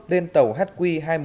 lên tàu hq hai trăm một mươi một